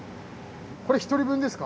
これ１人分ですか？